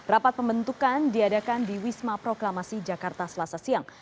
rapat pembentukan diadakan di wisma proklamasi jakarta selasa siang